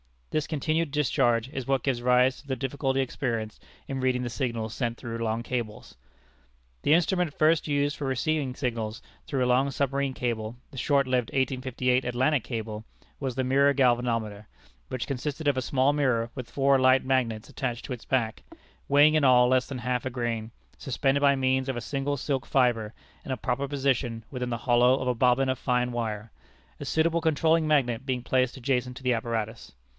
This continued discharge is what gives rise to the difficulty experienced in reading the signals sent through long cables. The instrument first used for receiving signals through a long submarine cable (the short lived 1858 Atlantic cable) was the Mirror Galvanometer, which consisted of a small mirror with four light magnets attached to its back (weighing, in all, less than half a grain), suspended by means of a single silk fibre, in a proper position within the hollow of a bobbin of fine wire: a suitable controlling magnet being placed adjacent to the apparatus.